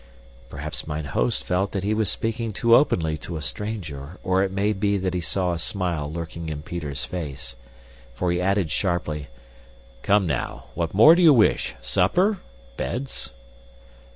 Perhaps mine host felt that he was speaking too openly to a stranger, or it may be he saw a smile lurking in Peter's face, for he added sharply, "Come, now, what more do you wish? Supper? Beds?"